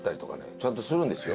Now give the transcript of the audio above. ちゃんとするんですよ。